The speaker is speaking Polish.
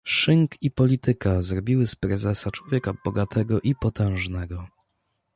"Szynk i polityka zrobiły z prezesa człowieka bogatego i potężnego."